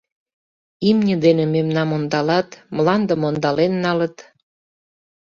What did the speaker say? Имне дене мемнам ондалат, мландым ондален налыт.